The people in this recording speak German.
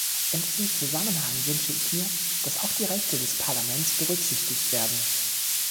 In diesem Zusammenhang wünsche ich mir, dass auch die Rechte des Parlaments berücksichtigt werden.